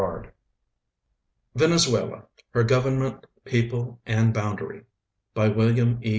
2 VENEZUELA; HER GOVERNMENT, PEOPLE, AND BOUNDARY MTlliam E.